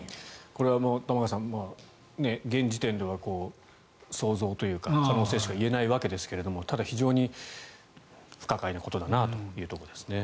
これは玉川さん現時点では想像というか可能性しか言えないわけですがただ、非常に不可解なことだなというところですね。